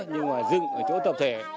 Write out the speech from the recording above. nhưng mà dựng ở chỗ tập thể